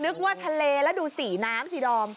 ว่าทะเลแล้วดูสีน้ำสิดอม